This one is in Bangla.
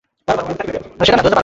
হ্যাঁ, হবে মনে হয়।